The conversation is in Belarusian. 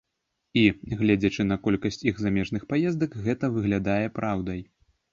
І, гледзячы на колькасць іх замежных паездак, гэта выглядае праўдай.